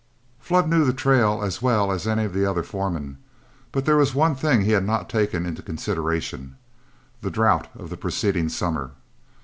Flood knew the trail as well as any of the other foremen, but there was one thing he had not taken into consideration: the drouth of the preceding summer.